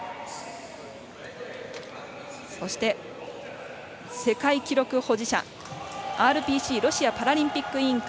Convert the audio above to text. そして、世界記録保持者のＲＰＣ＝ロシアパラリンピック委員会